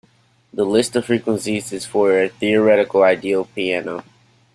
This list of frequencies is for a theoretically ideal piano.